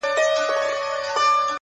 درته خبره كوم؛